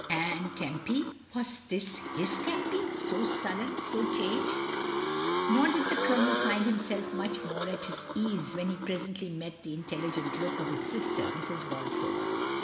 And Tempy — was this his Tempy, so sullen, so changed? Nor did the Colonel find himself much more at his ease when he presently met the intelligent look of his sister, Mrs. Bolsover.